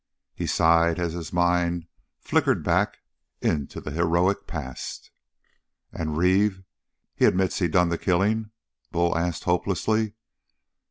He sighed as his mind flickered back into the heroic past. "And Reeve he admits he done the killing?" Bull asked hopelessly.